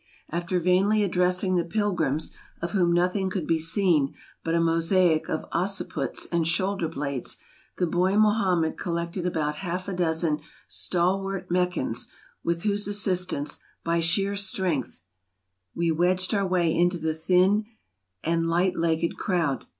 After vainly addressing the pilgrims, of whom nothing could be seen but a mosaic of occiputs and shoulder blades, the boy Mohammed collected about half a dozen stalwart Meccans, with whose assistance, by sheer strength, we wedged our way into the thin and light legged crowd.